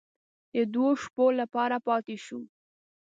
د دوو شپو لپاره پاتې شوو.